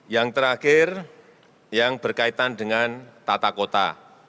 yang terakhir yang berkaitan dengan tata kota